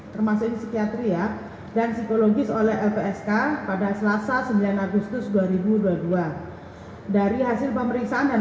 termasuk psikiatria dan psikologis oleh lpsk pada selasa sembilan agustus dua ribu dua puluh dua dari hasil pemeriksaan dan